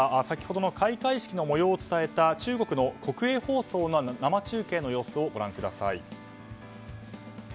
先ほどの開会式の模様を伝えた中国の国営放送の生中継の様子をご覧ください。